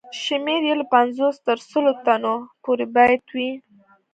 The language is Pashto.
شمېر یې له پنځوس تر سلو تنو پورې باید وي.